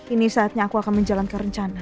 ini saatnya aku akan menjalankan rencana